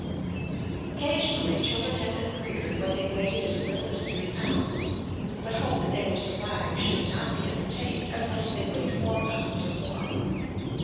Occasionally children have been reared when they weighed as little as three pounds, but hope that they will survive should not be entertained unless they weigh four pounds or more.